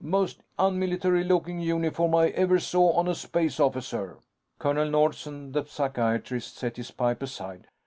"Most unmilitary looking uniform I ever saw on a space officer." Colonel Nordsen, the psychiatrist, set his pipe aside.